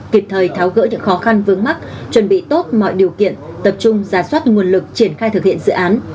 kịp thời tháo gỡ những khó khăn vướng mắt chuẩn bị tốt mọi điều kiện tập trung giả soát nguồn lực triển khai thực hiện dự án